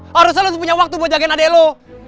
harusnya lo tuh punya waktu buat jagain adek lo